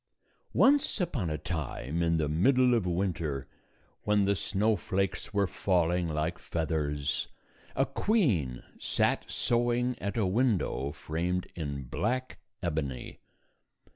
Once upon a time, in the middle of winter, when the snowflakes were falling like feathers, a queen sat sewing at a window framed in black ebony.